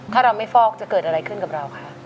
ถ้าเราไม่ฟอกจะเกิดอะไรขึ้นกับเราคะ